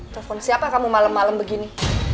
telepon siapa kamu malem malem begitu